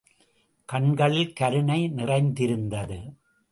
கண்களில் கருணை நிறைந்திருந்தது.